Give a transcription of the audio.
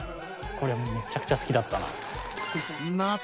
これめちゃくちゃ好きだったな。